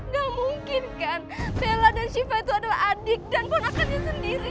gak mungkin kan bella dan syifa itu adalah adik dan ponakannya sendiri